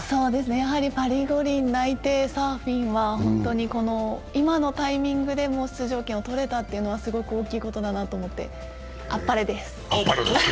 やはりパリ五輪内定、サーフィンは今のタイミングでもう出場権を取れたというのはすごく大きいことだなと思ってあっぱれです。